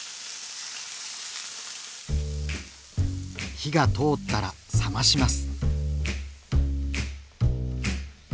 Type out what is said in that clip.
火が通ったら冷まします。